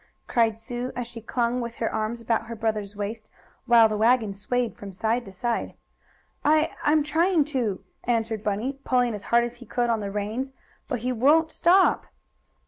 cried Sue, as she clung with her arms about her brother's waist, while the wagon swayed from side to side. "I I'm trying to," answered Bunny, pulling as hard as he could on the reins. "But he won't stop.